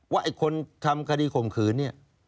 ว่าคนทำคดีคงขืน